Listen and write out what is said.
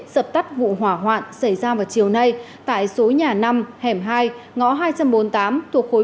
dập tắt vụ hỏa hoạn xảy ra vào chiều nay tại số nhà năm hẻm hai ngõ hai trăm bốn mươi tám thuộc khối